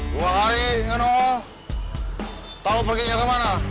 dua hari nggak nongol tahu perginya ke mana